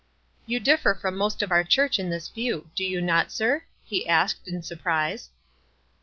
"You differ from most of our church in this view. Do you not, sir?" he asked, in sur prise.